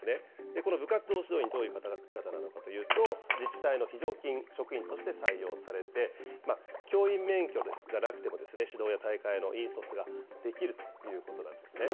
この部活動指導員、どういう方々なのかというと、自治体の非常勤職員として採用されて、教員免許がなくても指導や大会の引率ができるということなんですね。